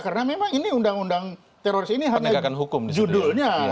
karena memang ini undang undang teroris ini hanya judulnya